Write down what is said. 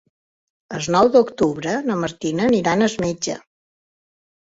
El nou d'octubre na Martina irà al metge.